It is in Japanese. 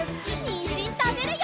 にんじんたべるよ！